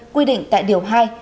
quy định tại điều hai